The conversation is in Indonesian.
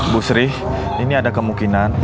bu sri ini ada kemungkinan